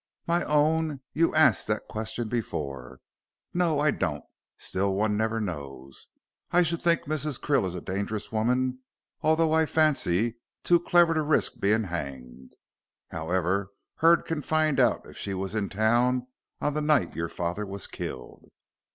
"My own, you asked that question before. No, I don't. Still, one never knows. I should think Mrs. Krill is a dangerous woman, although I fancy, too clever to risk being hanged. However, Hurd can find out if she was in town on the night your father was killed."